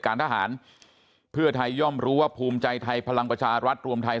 การทหารเพื่อไทยย่อมรู้ว่าภูมิใจไทยพลังประชารัฐรวมไทย